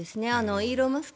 イーロン・マスク